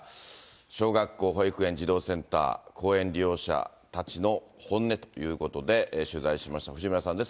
小学校、保育園、児童センター、公園利用者たちの本音ということで、取材しました藤村さんです。